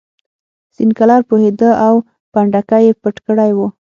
سینکلر پوهېده او پنډکی یې پټ کړی و.